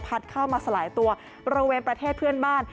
เข้ามาสลายตัวบริเวณประเทศเพื่อนบ้าน